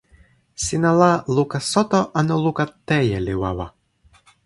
sina la luka soto anu luka teje li wawa?